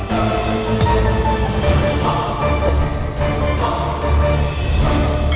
bagaimana semua ini sama papa